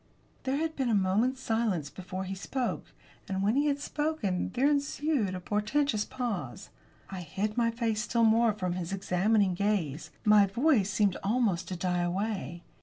There had been a moment's silence before he spoke. And, when he had spoken, there ensued a portentous pause. I hid my face still more from his examining gaze. My voice seemed almost to die away.